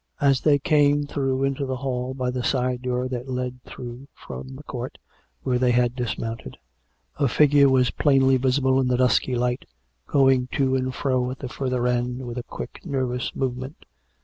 As they came through into the hall b}'^ the side door that led through from the court where they had dismounted, a figure was plainly visible in the dusky light, going to and fro at the further end, with a quick, nervous movemcTit.